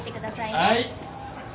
はい。